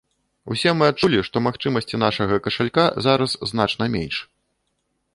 Усе мы адчулі, што магчымасці нашага кашалька зараз значна менш.